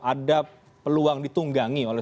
ada peluang ditunggangi oleh